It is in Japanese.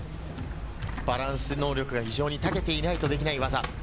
バランス能力が非常に長けていないとできない技。